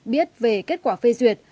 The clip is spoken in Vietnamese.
biết về kết quả phê duyệt